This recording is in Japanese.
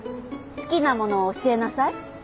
好きなものを教えなさい。